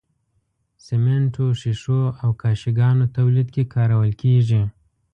سمنټو، ښيښو او کاشي ګانو تولید کې کارول کیږي.